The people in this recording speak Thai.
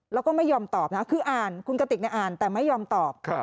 แล้วก็ไม่ยอมตอบนะคืออ่านคุณกติกอ่านแต่ไม่ยอมตอบ